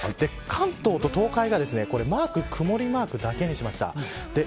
関東と東海がマーク曇りマークだけにしました。